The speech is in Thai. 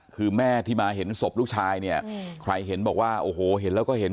คือแม่ที่มาเห็นศพลูกชายเนี่ยใครเห็นบอกว่าโอ้โหเห็นแล้วก็เห็น